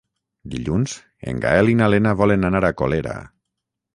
Dilluns en Gaël i na Lena volen anar a Colera.